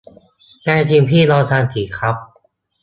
แน่จริงพี่ลองทำสิครับ